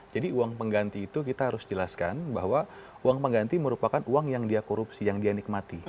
jadi uang pengganti itu kita harus jelaskan bahwa uang pengganti merupakan uang yang dia korupsi yang dia nikmati